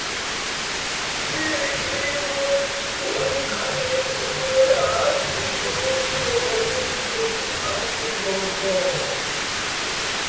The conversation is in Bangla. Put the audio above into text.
এ ইউনিয়ন গোয়াইনঘাট উপজেলার উত্তর-পশ্চিমে অবস্থিত একটি প্রাচীন জনপদ।